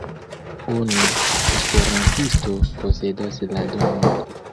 Unu esperantisto posedas la domon.